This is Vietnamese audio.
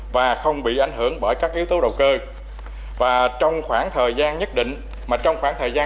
và không bị ảnh hưởng